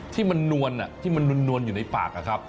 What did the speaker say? ที่มันนวลที่มันนวลอยู่ในปากอะครับ